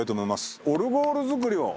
オルゴール作りを。